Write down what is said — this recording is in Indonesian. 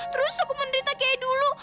terus aku menderita kayak dulu